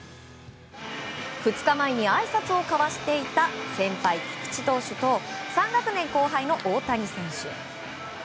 ２日前にあいさつを交わしていた先輩・菊池投手と３学年後輩の大谷選手。